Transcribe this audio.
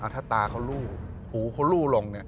ถ้าตาเขาลู่หูเขาลู่ลง